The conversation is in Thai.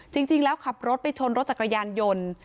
จริงแล้วขับรถไปชนรถจักรยานยนต์